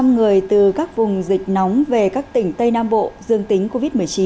năm người từ các vùng dịch nóng về các tỉnh tây nam bộ dương tính covid một mươi chín